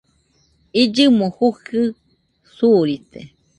Illɨmo jujɨ suurite